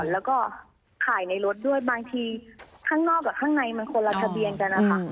แล้วก็ถ่ายในรถด้วยบางทีข้างนอกกับข้างในมันคนละทะเบียนกันนะคะ